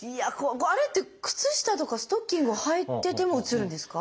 あれって靴下とかストッキングをはいててもうつるんですか？